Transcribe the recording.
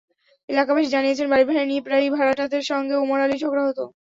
এলাকাবাসী জানিয়েছেন, বাড়িভাড়া নিয়ে প্রায়ই ভাড়াটেদের সঙ্গে ওমর আলীর ঝগড়া হতো।